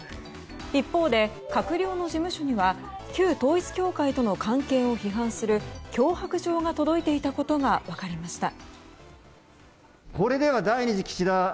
一方で、閣僚の事務所には旧統一教会との関係を批判する脅迫状が届いていたことが分かりました。